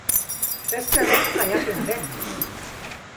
Eskerrak saiatzen den!